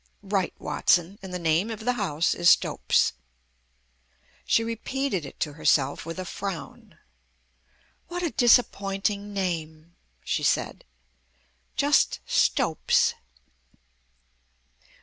"Right, Watson. And the name of the house is Stopes." She repeated it to herself with a frown. "What a disappointing name," she said. "Just Stopes."